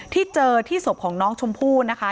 ที่เจอที่ศพของน้องชมพู่นะคะ